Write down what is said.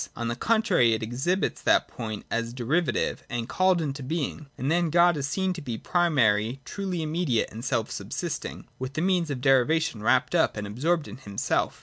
On the contrary it exhibits that point as derivative and called into being, and then God is seen to be primary, truly immediate and self subsisting, with the means of derivation wrapt up and absorbed in him self.